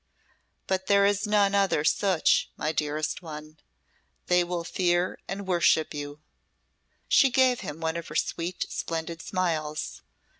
But there is none other such, my dearest one. They will fear and worship you." She gave him one of her sweet, splendid smiles.